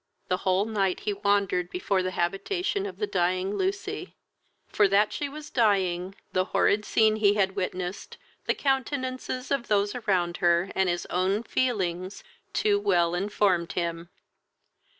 The whole night he wandered before the habitation of the dying Lucy, for that she was dying the horrid scene he had witnessed, the countenances of those around her, and his own feelings, too well informed him.